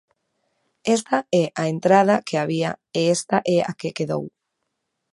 Esta é a entrada que había e esta é a que quedou.